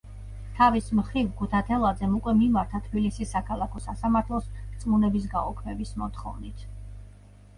თავის მხრივ, ქუთათელაძემ უკვე მიმართა თბილისის საქალაქო სასამართლოს რწმუნების გაუქმების მოთხოვნით.